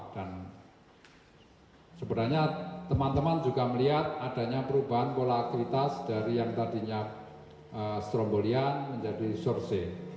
dan sebenarnya teman teman juga melihat adanya perubahan pola aktivitas dari yang tadinya strombolian menjadi sorcet